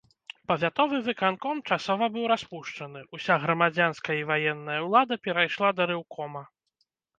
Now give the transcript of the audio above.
Павятовы выканком часова быў распушчаны, уся грамадзянская і ваенная ўлада перайшла да рэўкома.